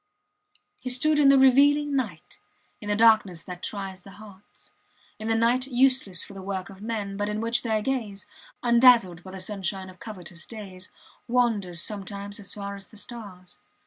He stood in the revealing night in the darkness that tries the hearts, in the night useless for the work of men, but in which their gaze, undazzled by the sunshine of covetous days, wanders sometimes as far as the stars.